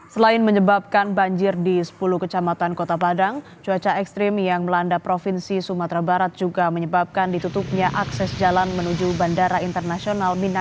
selain menyebabkan banjir di sepuluh kecamatan kota padang cuaca ekstrim yang melanda provinsi sumatera barat juga menyebabkan ditutupnya akses jalan menuju bandara internasional mina